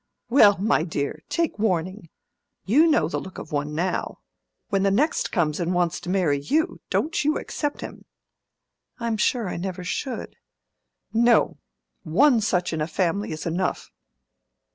"Well, my dear, take warning. You know the look of one now; when the next comes and wants to marry you, don't you accept him." "I'm sure I never should." "No; one such in a family is enough.